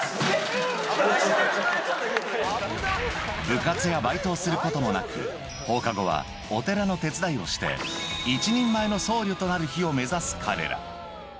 部活やバイトをすることもなく、放課後はお寺の手伝いをして、一人前の僧侶となる日を目指す彼ら。